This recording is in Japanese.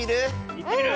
いってみる？